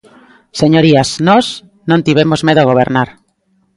Señorías, nós non tivemos medo a gobernar.